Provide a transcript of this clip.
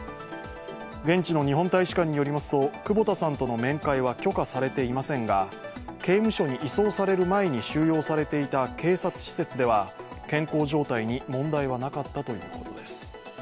現地の日本大使館によりますと久保田さんとの面会は許可されていませんが刑務所に移送される前に収容されていた警察施設では健康状態に問題はなかったということです。